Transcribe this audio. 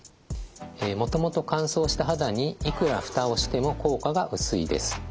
もともと乾燥した肌にいくら蓋をしても効果が薄いです。